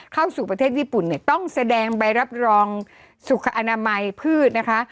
เข้าสู่ประเทศญี่ปุ่นเนี่ยต้องแสดงใบรับรองสุขอนามัยพืชนะคะ